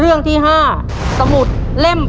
เพื่อชิงทุนต่อชีวิตสูงสุด๑ล้านบาท